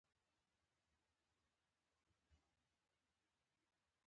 له اوښکو ډکې سترګې يې وځلېدې.